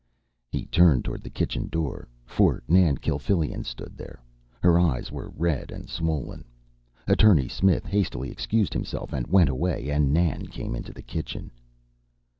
He turned toward the kitchen door for Nan Kilfillan stood there. Her eyes were red and swollen. Attorney Smith hastily excused himself and went away, and Nan came into the kitchen.